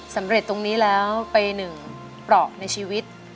สำเร็จตรงนี้แล้วเปรย์หนึ่งปลอกในชีวิต